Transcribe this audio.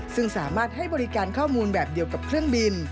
ซึ่งสามารถให้บริการข้อมูลแบบเดียวกับเครื่องบิน